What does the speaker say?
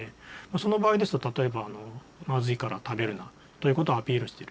その場合ですと例えば「まずいから食べるな」ということをアピールしてる。